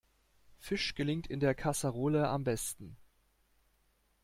Fisch gelingt in der Kaserolle am besten.